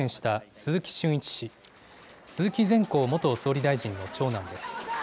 鈴木善幸元総理大臣の長男です。